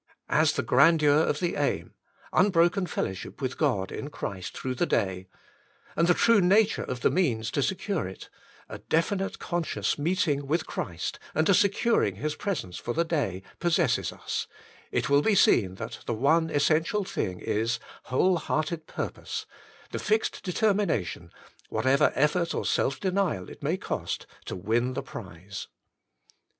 As the grandeur of the aim — ^unbroken fellowship The Morning Hour 13 with God in Christ through the day — and the true nature of the means to secure it — a definite con scious meeting with Christ and a securing His presence for the day — possesses us, it will be seen that the one essential thing is, whole hearted pur pose: the fixed determination, whatever effort or self denial it may cost, to win the prize.